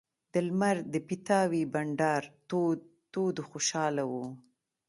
د لمر د پیتاوي بنډار تود و خوشاله وو.